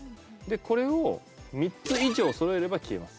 これを３つ以上揃えれば消えます。